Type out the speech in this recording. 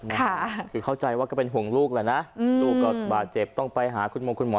คือเข้าใจว่าก็เป็นห่วงลูกแหละนะลูกก็บาดเจ็บต้องไปหาคุณมงคุณหมอ